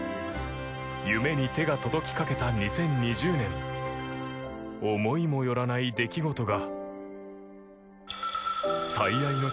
夢に手が届きかけた２０２０年思いもよらない出来事が。